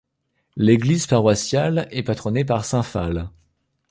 L'église paroissiale est patronnée par saint Phal.